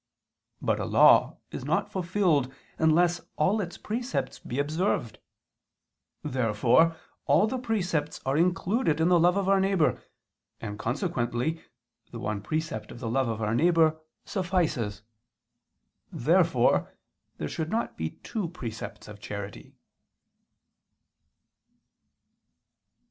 But a law is not fulfilled unless all its precepts be observed. Therefore all the precepts are included in the love of our neighbor: and consequently the one precept of the love of our neighbor suffices. Therefore there should not be two precepts of charity.